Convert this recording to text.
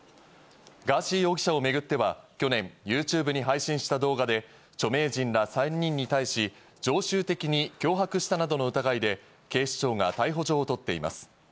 ガーシー容疑者をめぐっては去年、ＹｏｕＴｕｂｅに配信した動画で著名人ら３人に対し、常習的に脅迫したなどの疑いで、警視庁が逮捕状を取っています。